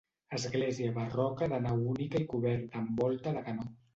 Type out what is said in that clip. Església barroca de nau única i coberta amb volta de canó.